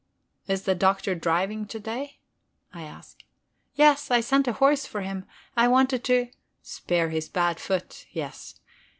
"Is the Doctor driving to day?" I ask. "Yes, I sent a horse for him. I wanted to ..." "Spare his bad foot, yes.